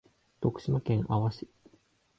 徳島県阿波市